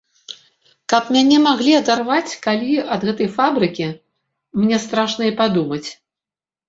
Каб мяне маглі адарваць калі ад гэтай фабрыкі, мне страшна і падумаць.